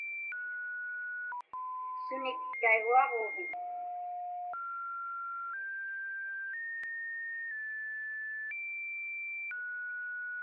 Sunik taiguaġuuviñ?